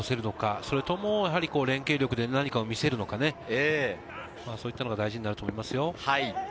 それとも連係力で何かを見せるのか、そういったものが大事になると思いますよ。